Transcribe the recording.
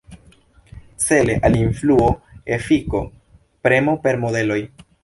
Cele al influo, efiko, premo per modeloj.